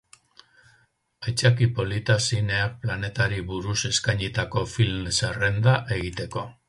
Aitzaki polita zineak planetari buruz eskainitako film zerrenda egiteko.